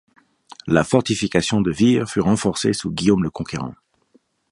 La fortification de Vire fut renforcée sous Guillaume le Conquérant.